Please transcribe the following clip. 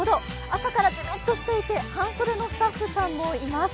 朝からジメッとしていて、半袖のスタッフさんもいます。